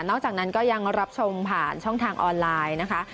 จากนั้นก็ยังรับชมผ่านช่องทางออนไลน์นะคะ